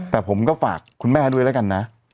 แต่ผมก็ฝากคุณแม่ด้วยแล้วกันนะ